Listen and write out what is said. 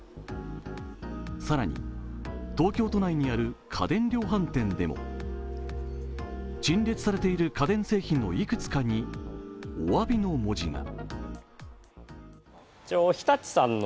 更に東京都内にある家電量販店でも陳列されている家電製品の幾つかに「お詫び」の文字が。